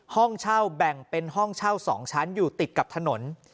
ห้องเช่าแบ่งเป็นห้องเช่า๒ชั้นอยู่ติดกับถนน